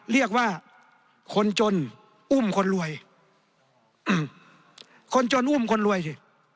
เรียกว่าคนจนอุ้มคนรวยคนจนอุ้มคนรวยสิ